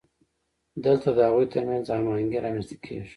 دلته د هغوی ترمنځ هماهنګي رامنځته کیږي.